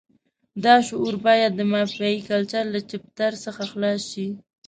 دا شعور باید د مافیایي کلچر له جفتر څخه خلاص شي.